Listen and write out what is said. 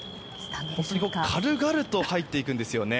軽々と入っていくんですよね。